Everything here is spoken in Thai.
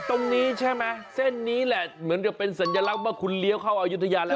ตรงนี้ใช่ไหมเส้นนี้แหละเหมือนกับเป็นสัญลักษณ์ว่าคุณเลี้ยวเข้าอายุทยาแล้ว